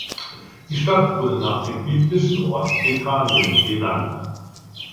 Die Stadt wurde nach dem biblischen Ort Bethanien benannt.